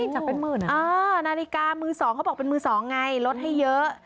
จากเป็นหมื่นนาฬิกามือสองเขาบอกเป็นมือสองไงลดให้เยอะ